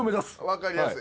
分かりやすい。